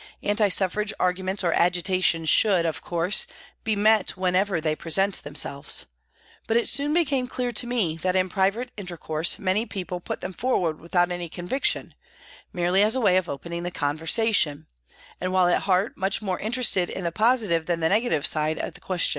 Anti suffrage arguments or agitations should, of course, be met whenever they present themselves, but it soon became clear to me that in private inter course many people put them forward without any conviction, merely as a way of opening the con versation, and while at heart much more interested in the positive than the negative side of the question.